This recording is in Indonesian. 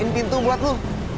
pintu buat lo